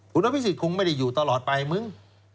คุณอภิษฎคงไม่ได้อยู่ตลอดไปมึง